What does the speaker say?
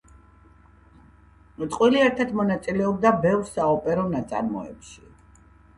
წყვილი ერთად მონაწილეობდა ბევრ საოპერო ნაწარმოებში.